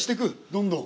どんどん。